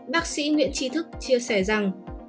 bác sĩ nguyễn trì thức chia sẻ rằng